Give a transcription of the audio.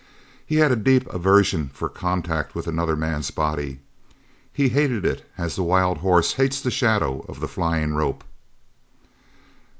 He had a deep aversion for contact with another man's body. He hated it as the wild horse hates the shadow of the flying rope.